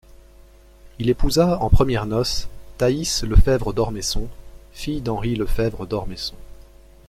Il épousa en premières noces Thaïs Le Fèvre d'Ormesson, fille d'Henri Le Fèvre d'Ormesson.